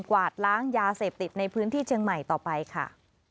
กวาดล้างยาเสพติดในพื้นที่เชียงใหม่ต่อไปค่ะ